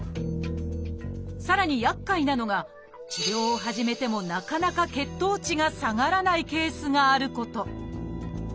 さらにやっかいなのが治療を始めてもなかなか血糖値が下がらないケースがあること